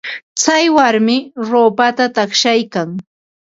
Tsay warmi ruupata taqshaykan.